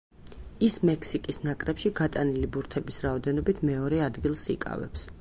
ის მექსიკის ნაკრებში გატანილი ბურთების რაოდენობით მეორე ადგილს იკავებს.